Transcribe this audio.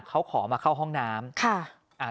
เขาขอมาเข้าห้องน้ำ